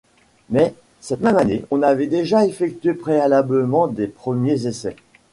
Mais cette même année on avait déjà effectué préalablement des premiers essais.